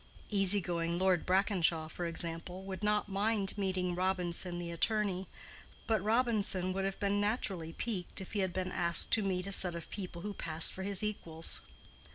Easy going Lord Brackenshaw, for example, would not mind meeting Robinson the attorney, but Robinson would have been naturally piqued if he had been asked to meet a set of people who passed for his equals.